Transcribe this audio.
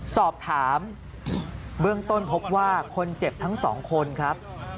สอบถามเบื้องต้นพบว่าคนเจ็บทั้งสองคนครับ